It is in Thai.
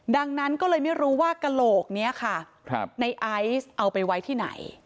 ดังนั้นก็เลยไม่รู้ว่ากระโหลกนี้ค่ะในไอซ์เอาไปไว้ที่ไหน